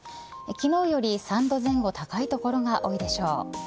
昨日より３度前後高い所が多いでしょう。